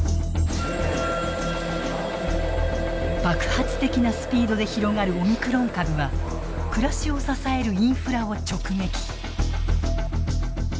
爆発的なスピードで広がるオミクロン株は暮らしを支えるインフラを直撃。